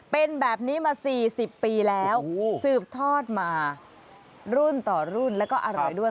เป็นแบบนี้มา๔๐ปีแล้วสืบทอดมารุ่นต่อรุ่นแล้วก็อร่อยด้วย